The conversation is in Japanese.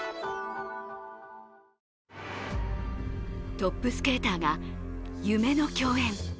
トップスケーターが夢の共演。